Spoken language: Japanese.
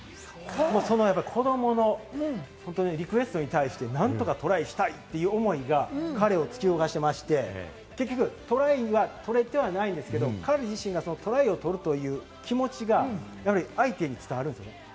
その子どものリクエストに対して何とかトライしたいという思いが彼を突き動かしまして、結局、トライは取れてはいないですけれども、彼自身がトライを取るという気持ちが相手に伝わるんですよね。